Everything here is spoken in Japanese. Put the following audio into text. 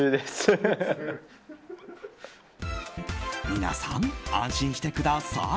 皆さん、安心してください。